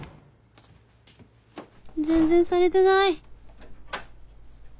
全然されてない！